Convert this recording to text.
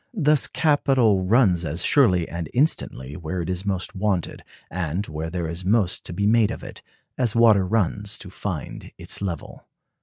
Thus capital runs as surely and instantly where it is most wanted, and where there is most to be made of it, as water runs to find its level."